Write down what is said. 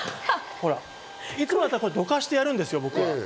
いつもだったらどかしてやるんですよ、僕は。